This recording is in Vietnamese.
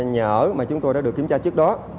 với các nhà ở mà chúng tôi đã được kiểm tra trước đó